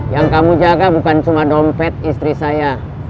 yang kamu jaga bukan cuma dompet istri saya